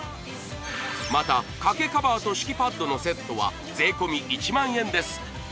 また掛けカバーと敷きパッドのセットは税込１０，０００円です